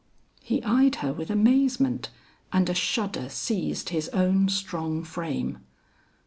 He eyed her with amazement, and a shudder seized his own strong frame.